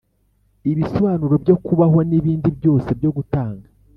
ibisobanuro byo kubaho nibindi byose byo gutanga.